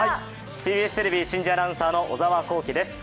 ＴＢＳテレビ、新人アナウンサーの小沢光葵です。